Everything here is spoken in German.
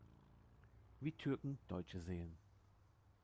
Wie Türken Deutsche sehen".